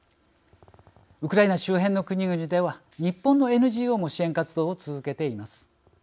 ウクライナ周辺の国々では日本のＮＧＯも支援活動を続けています。